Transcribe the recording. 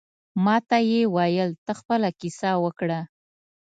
ماته یې ویل ته خپله کیسه وکړه.